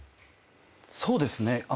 そうですね。